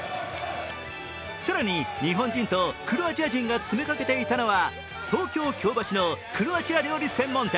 更に、日本人とクロアチア人が詰めかけていたのは、東京・京橋のクロアチア料理専門店。